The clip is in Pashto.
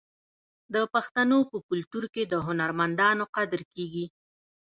د پښتنو په کلتور کې د هنرمندانو قدر کیږي.